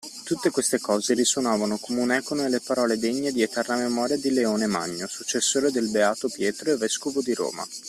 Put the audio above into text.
Tutte queste cose risuonavano come un'eco nelle parole degne di eterna memoria di Leone Magno, successore del beato Pietro e Vescovo di Roma.